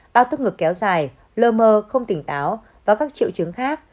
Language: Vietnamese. bao tức ngực kéo dài lơ mơ không tỉnh táo và các triệu chứng khác